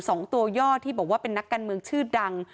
สองตัวย่อที่บอกว่าเป็นนักการเมืองชื่อดัง